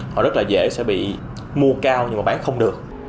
họ rất là dễ sẽ bị mua cao nhưng mà bán không được